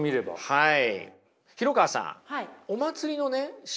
はい。